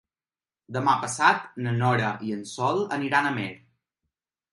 Demà passat na Nora i en Sol aniran a Amer.